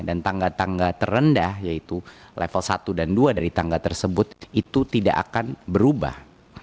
dan tangga tangga terendah yaitu level satu dan dua dari tangga tersebut itu tidak akan berubah